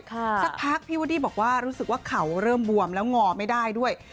สักพักพี่วูดดี้บอกว่ารู้สึกว่าเขาเริ่มบวมแล้วงอไม่ได้ด้วย